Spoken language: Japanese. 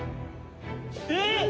「えっ？」